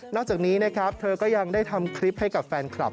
จากนี้นะครับเธอก็ยังได้ทำคลิปให้กับแฟนคลับ